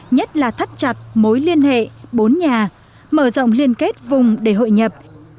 nhất là thắt chặt mối liên hệ bốn nhà mở rộng liên kết vùng để hội nhập